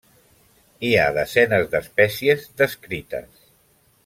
Hi ha desenes d'espècies descrites.